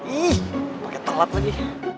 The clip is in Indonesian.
ih pake telap lagi